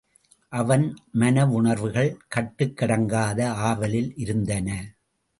அவன் மனவுணர்வுகள் கட்டுக் கடங்காத ஆவலில் இருந்தன.